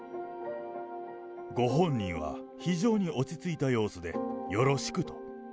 ご本人は非常に落ち着いた様子で、よろしく！と。